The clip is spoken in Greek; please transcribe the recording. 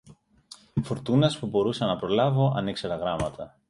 φουρτούνες που μπορούσα να προλάβω αν ήξερα γράμματα!